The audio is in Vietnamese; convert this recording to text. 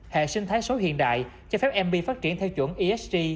hệ sinh thái số hiện đại cho phép mb phát triển theo chuẩn esg